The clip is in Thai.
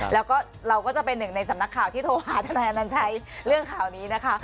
เราก็จะเป็นหนึ่งในสำนักข่าวที่โทรหาธนาฬันใช้เรื่องข่าวนี้นะคะ